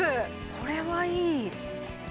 これはいい！